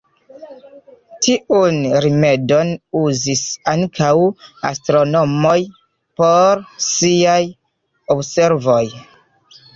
Tiun rimedon uzis ankaŭ astronomoj por siaj observoj.